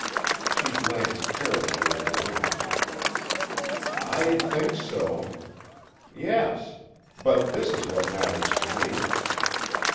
She glanced carelessly at the rings. "I think so. Yes. But this is what matters to me."